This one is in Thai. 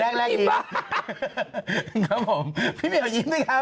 แยกแรกยิ้มครับผมพี่เปวยิ้มสิครับ